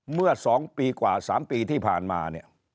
เมื่อ๒ปีกว่า๓ปีที่ผ่านมาเนี่ย